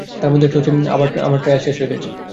তার মধ্যে একটা হচ্ছে, আমার ট্রায়াল শেষ হয়ে গেছে।